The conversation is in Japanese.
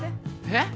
えっ？